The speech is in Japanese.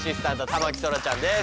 田牧そらちゃんです。